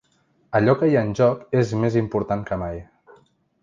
Allò que hi ha en joc és més important que mai.